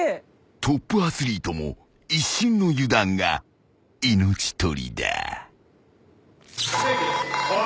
［トップアスリートも一瞬の油断が命取りだ］えっ！？